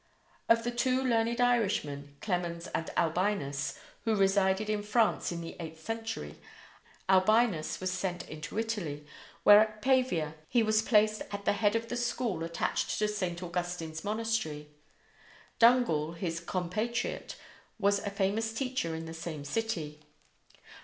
Of the two learned Irishmen, Clemens and Albinus, who resided in France in the eighth century, Albinus was sent into Italy, where at Pavia he was placed at the head of the school attached to St. Augustine's monastery. Dungal, his compatriot, was a famous teacher in the same city.